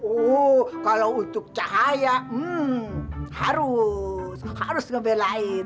oh oh kalo untuk cahaya hmm harus harus ngebelain